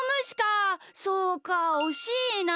そうかおしいな。